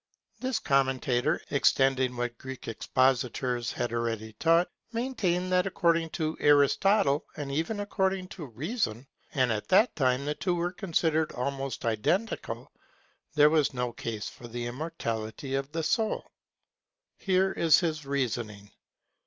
This Commentator, extending what Greek expositors had already taught, maintained that according to Aristotle, and even according to reason (and at that time the two were considered almost identical) there was no case for the immortality of the soul. Here is his reasoning.